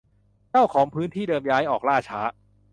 เจ้าของพื้นที่เดิมย้ายออกล่าช้า